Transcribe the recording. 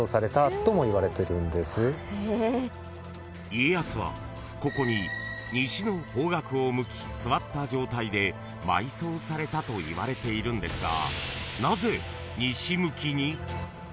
［家康はここに西の方角を向き座った状態で埋葬されたといわれているんですが］